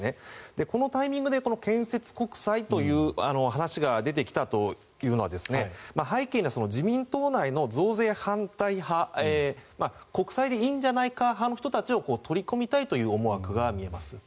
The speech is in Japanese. このタイミングで建設国債という話が出てきたというのは背景には自民党内の増税反対派国債でいいんじゃないか派の人たちを取り込みたいという思惑が見えます。